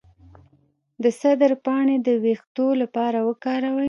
د سدر پاڼې د ویښتو لپاره وکاروئ